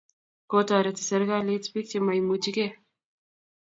kotareti serikalit pik chemaimuchikei